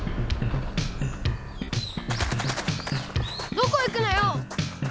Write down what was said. どこ行くのよ